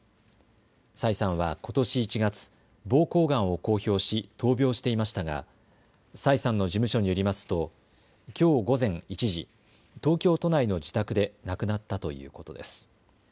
崔さんは、ことし１月、ぼうこうがんを公表し闘病していましたが崔さんの事務所によりますときょう午前１時、東京都内の自宅で亡くなったということです。